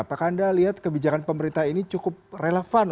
apakah anda lihat kebijakan pemerintah ini cukup relevan